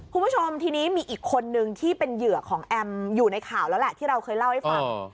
คุณผู้ชมทีนี้มีอีกคนนึงที่เป็นเหยื่อของแอมอยู่ในข่าวแล้วแหละที่เราเคยเล่าให้ฟัง